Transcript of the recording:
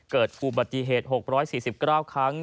เกิดอุบัติเหตุ๖๔๙ครั้ง